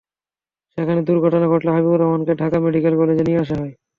সেখানে দুর্ঘটনা ঘটলে হাবিবুর রহমানকে ঢাকা মেডিকেল কলেজে নিয়ে আসা হয়।